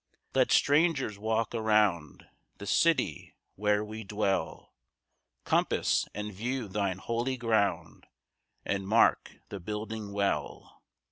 3 Let strangers walk around The city where we dwell, Compass and view thine holy ground, And mark the building well.